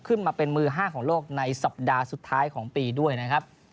ขึ้นมาเป็นมือ๕ของโลกในสัปดาห์สุดท้ายของปีด้วยนะครับ